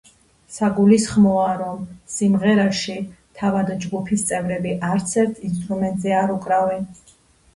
საგულისხმოა, რომ ამ სიმღერაში თავად ჯგუფის წევრები არც ერთ ინსტრუმენტზე არ უკრავენ.